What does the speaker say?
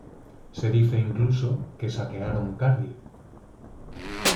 Se dice incluso que saquearon Cardia.